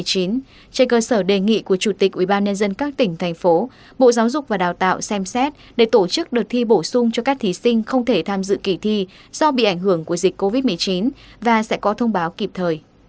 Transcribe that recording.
trên cơ sở đề nghị của chủ tịch ubnd các tỉnh thành phố bộ giáo dục và đào tạo xem xét để tổ chức đợt thi bổ sung cho các thí sinh không thể tham dự kỳ thi do bị ảnh hưởng của dịch covid một mươi chín và sẽ có thông báo kịp thời